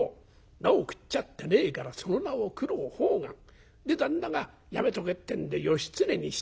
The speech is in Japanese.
菜を食っちゃってねえから『その名を九郎判官』。で旦那がやめとけってんで『義経にしておきな』ってんだもんな。